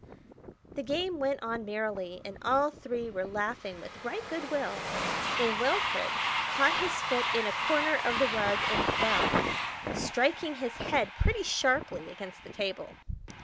The game went on merrily, and all three were laughing with right good will, when Wilfred caught his foot in a corner of the rug and fell, striking his head pretty sharply against the table.